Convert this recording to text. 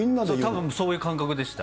たぶんそういう感覚でした。